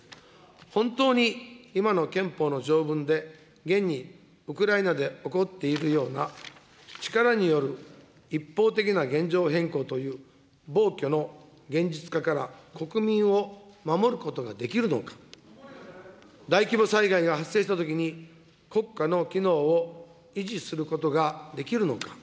本当に今の憲法の条文で、現にウクライナで起こっているような力による一方的な現状変更という暴挙の現実化から国民を守ることができるのか、大規模災害が発生したときに、国家の機能を維持することができるのか。